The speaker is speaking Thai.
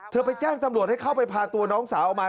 ไปแจ้งตำรวจให้เข้าไปพาตัวน้องสาวออกมา